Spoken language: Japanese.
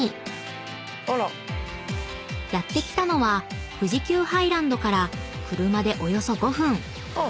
［やって来たのは富士急ハイランドから車でおよそ５分］